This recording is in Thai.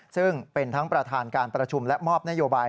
ซึ่งเป็นทั้งประธานการประชุมและมอบนโยบาย